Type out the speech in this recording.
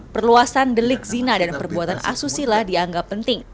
perluasan delik zina dan perbuatan asusila dianggap penting